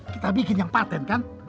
kita bikin yang patent kan